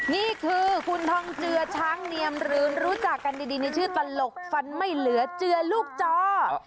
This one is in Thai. นี่คือคุณทองเจือช้างเนียมหรือรู้จักกันดีในชื่อตลกฟันไม่เหลือเจือลูกจอ